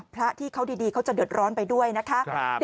พระที่เขาดีเขาจะเดือดร้อนไปด้วยนะคะ